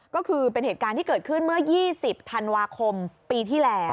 ก็คือเป็นเหตุการณ์ที่เกิดขึ้นเมื่อ๒๐ธันวาคมปีที่แล้ว